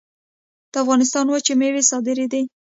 د افغانستان وچې میوې صادرېدې